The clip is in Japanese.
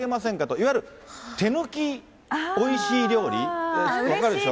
いわゆる手抜きおいしい料理、分かるでしょ。